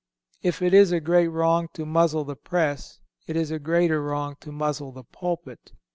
If it is a great wrong to muzzle the press, it is a greater wrong to muzzle the pulpit.